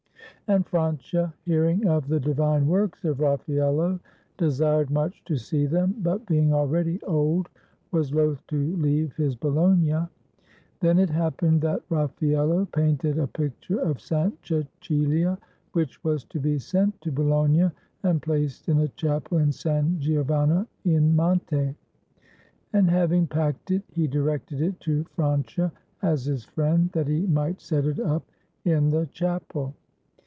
And Francia, hearing of the divine works of Raffaello, desired much to see them, but being already old was loath to leave his Bologna. Then it happened that Raffaello painted a picture of St. Cecilia, which was to be sent to Bologna and placed in a chapel in San Gio vanni in Monte, and having packed it, he directed it to Francia as his friend that he might set it up in the chapel.